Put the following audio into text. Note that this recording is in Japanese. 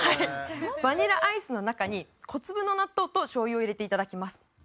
バニラアイスの中に小粒の納豆と醤油を入れて頂きます。